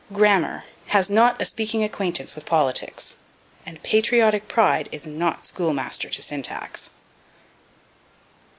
Grammar has not a speaking acquaintance with politics, and patriotic pride is not schoolmaster to syntax.